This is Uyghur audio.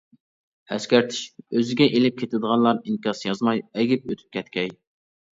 ئەسكەرتىش:ئۆزىگە ئېلىپ كېتىدىغانلار ئىنكاس يازماي ئەگىپ ئۆتۈپ كەتكەي!